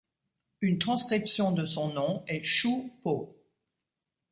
Une transcription de son nom est Chu Po.